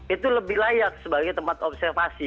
itu lebih layak sebagai tempat observasi